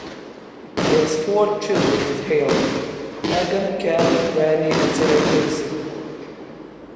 He has four children with Hale: Meghan, Kelly, Randy, and singer Quincy.